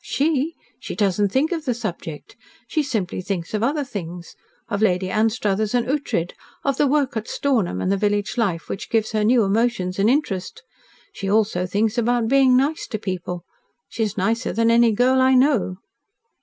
"She? She doesn't think of the subject. She simply thinks of other things of Lady Anstruthers and Ughtred, of the work at Stornham and the village life, which gives her new emotions and interest. She also thinks about being nice to people. She is nicer than any girl I know."